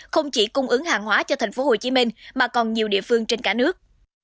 không chỉ cung ứng hàng hóa cho tp hcm mà còn nhiều địa phương trên cả nước